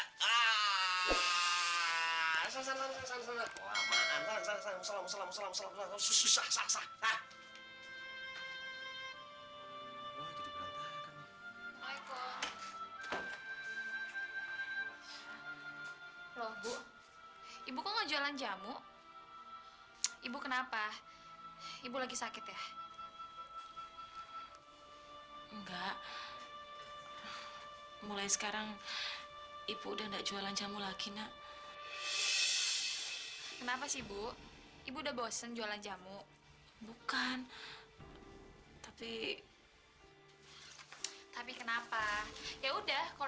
sampai jumpa di video selanjutnya